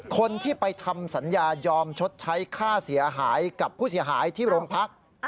คนที่ไปทำสัญญายอมชดใช้ค่าเสียหายกับผู้เสียหายที่โรงพัก